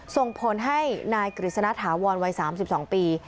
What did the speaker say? ส่งผลให้นายกฤษณะถาวรวัย๓๒ปี